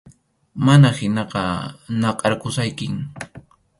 Mana hinaqa, nakʼarqusaykim.